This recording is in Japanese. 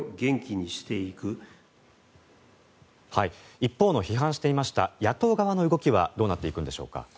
一方の批判していました野党側の動きはどうなっていくんでしょうか。